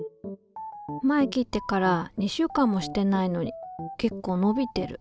前切ってから２週間もしてないのに結構伸びてる。